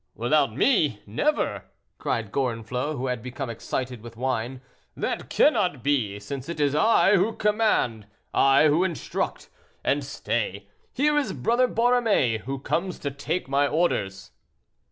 "Without me! never!" cried Gorenflot, who had become excited with wine. "That cannot be, since it is I who command—I who instruct—and stay, here is Brother Borromée, who comes to take my orders."